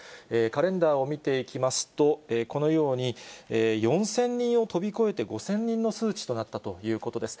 カレンダーを見ていきますと、このように、４０００人を飛び越えて５０００人の数値となったということです。